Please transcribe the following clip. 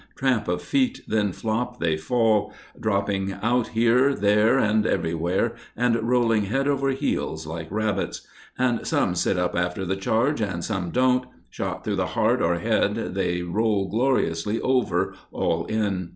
Tramp of feet then flop! they fall, Dropping out here, there, and everywhere, and rolling head over heels like rabbits. And some sit up after the charge, and some don't. Shot through the heart or head, they roll gloriously over all in!